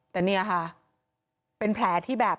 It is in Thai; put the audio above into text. แต่เนี่ยค่ะเป็นแผลที่แบบ